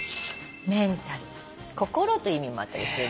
「メンタル」「心」という意味もあったりする。